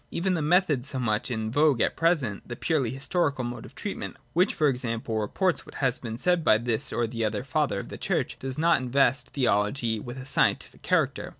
Even the method so much in vogue at present — the purely historical mode of treatment — which for example reports what has been said by this or the other Father of the Church— does not invest theology with a scientific character.